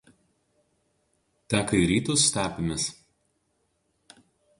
Teka į rytus stepėmis.